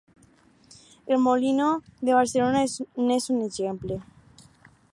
El Molino de Barcelona n'és un exemple.